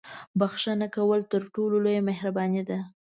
• بښنه کول تر ټولو لویه مهرباني ده.